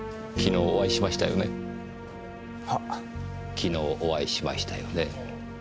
昨日お会いしましたよね。